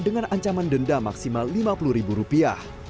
dengan ancaman denda maksimal lima puluh ribu rupiah